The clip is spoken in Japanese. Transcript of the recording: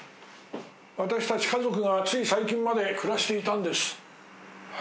私たち家族がつい最近まで暮らしていたんです。